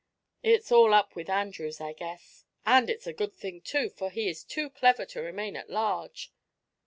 It's all up with Andrews, I guess; and it's a good thing, too, for he is too clever to remain at large."